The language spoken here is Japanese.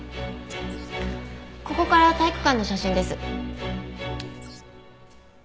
ここから体育館の写真です。